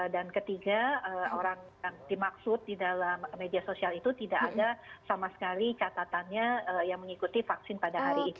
dan ketiga orang dimaksud di dalam media sosial itu tidak ada sama sekali catatannya yang mengikuti vaksin pada hari itu